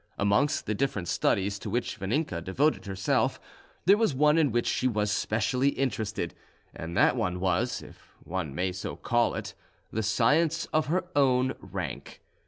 Amongst the different studies to which Vaninka devoted herself, there was one in which she was specially interested, and that one was, if one may so call it, the science of her own rank.